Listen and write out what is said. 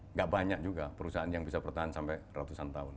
nggak banyak juga perusahaan yang bisa bertahan sampai ratusan tahun